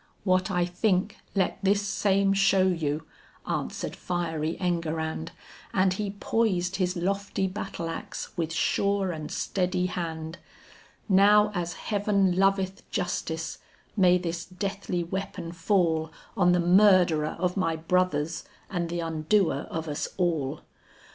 "What I think let this same show you," answered fiery Enguerrand, And he poised his lofty battle ax with sure and steady hand; "Now as Heaven loveth justice, may this deathly weapon fall On the murderer of my brothers and th' undoer of us all."